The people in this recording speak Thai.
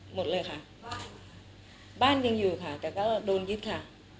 หมดเลยค่ะบ้านบ้านยังอยู่ค่ะแต่ก็โดนยึดค่ะ